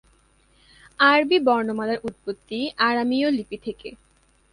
আরবি বর্ণমালার উৎপত্তি আরামীয় লিপি থেকে।